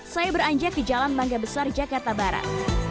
saya beranjak di jalan mangga besar jakarta barat